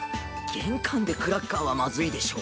玄関でクラッカーはまずいでしょ。